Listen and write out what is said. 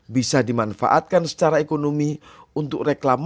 bisa dimanfaatkan secara ekonomi untuk reklamasi